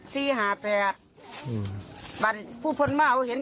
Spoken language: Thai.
แต่ผู้ผ่อนมาม่าเห็น๗๑